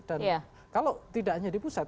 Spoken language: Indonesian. dan kalau tidak hanya di pusat